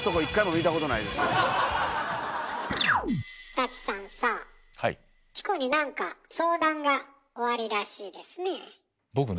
舘さんさチコに何か相談がおありらしいですね。